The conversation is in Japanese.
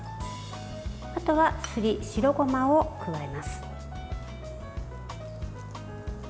あとは、すり白ごまを加えます。